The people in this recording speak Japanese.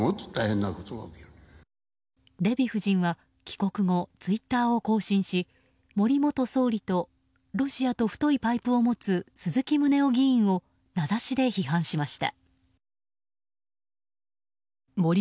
デヴィ夫人は帰国後、ツイッターを更新し森元総理とロシアと太いパイプを持つ鈴木宗男議員を名指しで批判しました。